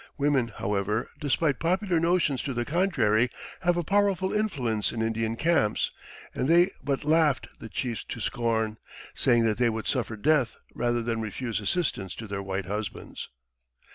Women, however, despite popular notions to the contrary, have a powerful influence in Indian camps; and they but laughed the chiefs to scorn, saying that they would suffer death rather than refuse assistance to their white husbands.